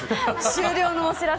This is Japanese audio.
終了のお知らせ。